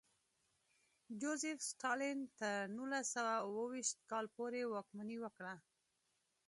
جوزېف ستالین تر نولس سوه اوه ویشت کال پورې واکمني وکړه.